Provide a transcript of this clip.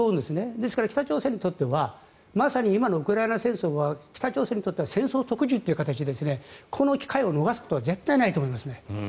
ですから北朝鮮にとってはまさに今のウクライナ戦争が北朝鮮にとっては戦争特需という形でこの機会を逃すことは絶対にないと思いますね。